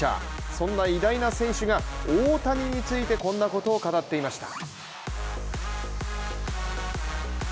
そんな偉大な選手が大谷についてこんなことを語っていました。